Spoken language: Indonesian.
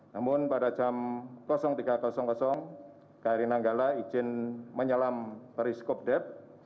namun pada jam tiga kri nanggala izin menyelam periskop deb